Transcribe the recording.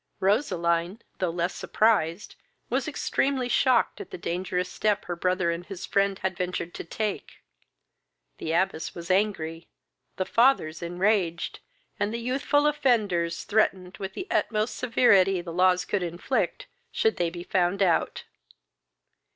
Roseline, though less surprised, was extremely shocked at the dangerous step her brother and his friend had ventured to take. The abbess was angry, the fathers enraged, and the youthful offenders threatened with the utmost severity the laws could inflict, should they be found out.